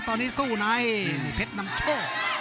โหโหโหโหโหโหโห